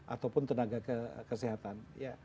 ataupun tenaga kesehatan